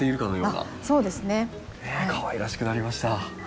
かわいらしくなりました。